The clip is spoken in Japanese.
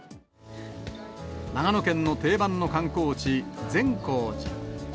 長野県の定番の観光地、善光寺。